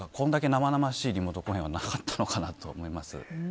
生々しいリモート公演はなかったのかなと思います。